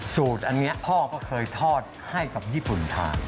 สูตรอันนี้พ่อก็เคยทอดให้กับญี่ปุ่นทาน